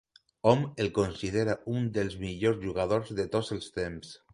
Hom el considera un dels millors jugadors de tots els temps.